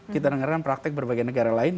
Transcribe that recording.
kita dengarkan praktek berbagai negara lain